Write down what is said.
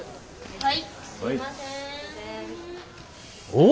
はい。